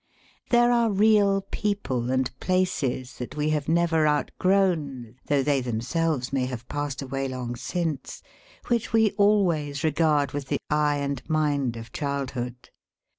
There are real people and places that we have never outgrown, though they them selves may have passed away long since : which we always regard with the eye and mind of childhood.